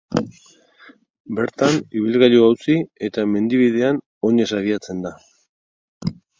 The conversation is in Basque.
Bertan, ibilgailua utzi eta mendi-bidean oinez abiatzen da.